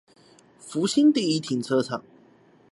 福興第一停車場